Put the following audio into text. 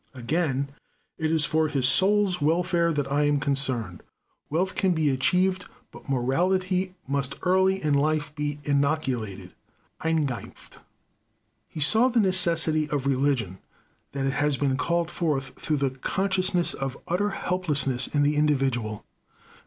Again, "It is for his soul's welfare that I am concerned. Wealth can be achieved, but morality must early in life be inoculated" (eingeimpft). He saw the necessity of religion; that it has been called forth through the consciousness of utter helplessness in the individual.